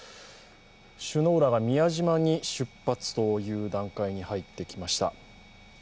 首脳らが宮島に出発という段階に来ました。